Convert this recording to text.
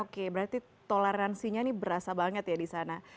oke berarti toleransinya ini berasa banget ya di sana